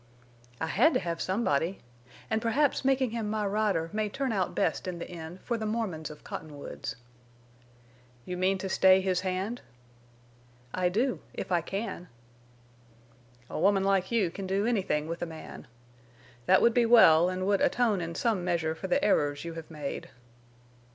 "I had to have somebody. And perhaps making him my rider may turn out best in the end for the Mormons of Cottonwoods." "You mean to stay his hand?" "I do—if I can." "A woman like you can do anything with a man. That would be well, and would atone in some measure for the errors you have made."